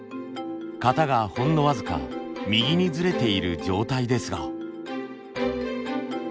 型がほんの僅か右にずれている状態ですが。